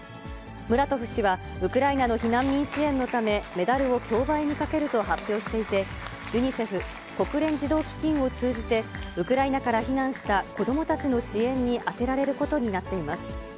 ムラトフ氏は、ウクライナの避難民支援のためメダルを競売にかけると発表していて、ＵＮＩＣＥＦ・国連児童基金を通じて、ウクライナから避難した子どもたちの支援に充てられることになっています。